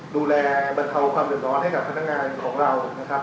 บรรเทาความเดือดร้อนให้กับพนักงานของเรานะครับ